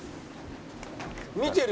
見てる！